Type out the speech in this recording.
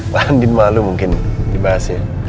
mandi malu mungkin dibahas ya